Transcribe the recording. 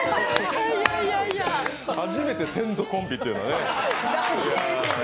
初めて、先祖コンビっていうのはね。